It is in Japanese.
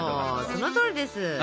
そのとおりです。